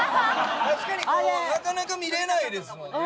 確かにこうなかなか見れないですもんね。